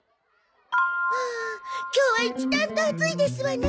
はあ今日は一段と暑いですわね。